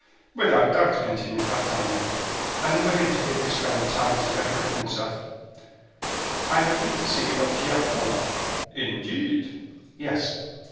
"Without doubt," continued D'Artagnan, unwilling to give his friend time to recollect himself, "I have been to see you at Pierrefonds." "Indeed!" "Yes."